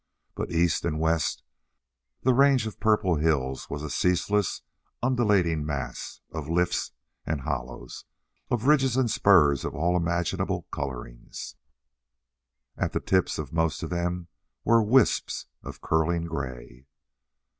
But east and west the range of purple hills was a ceaseless, undulating mass of lifts and hollows, of ridges and spurs of all imaginable colorings. And at the tips of most of them were wisps of curling gray.